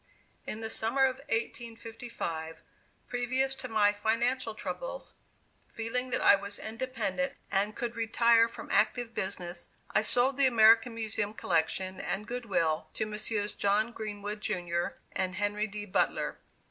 In the summer of 1855, previous to my financial troubles, feeling that I was independent and could retire from active business, I sold the American Museum collection and good will to Messrs. John Greenwood, Junior, and Henry D. Butler.